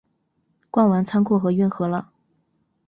逛完仓库和运河了